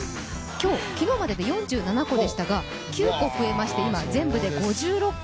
昨日までで４７個でしたが９個増えまして、全部で５６個。